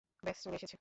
বাস চলে এসেছে।